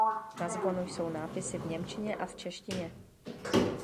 Na zvonu jsou nápisy v němčině a v češtině.